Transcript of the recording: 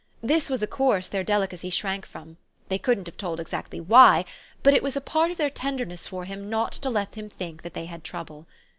This was a course their delicacy shrank from; they couldn't have told exactly why, but it was a part of their tenderness for him not to let him think they had trouble.